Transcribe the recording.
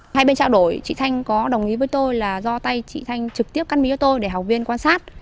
hai bên trao đổi chị thanh có đồng ý với tôi là do tay chị thanh trực tiếp căn mỹ với tôi để học viên quan sát